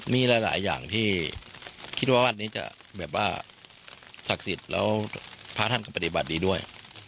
มีหลายอย่างที่คิดว่าวัดนี้จะแบบว่าศักดิ์สิทธิ์แล้วพระท่านก็ปฏิบัติดีด้วย